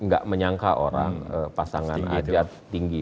gak menyangka orang pasangan ajat tinggi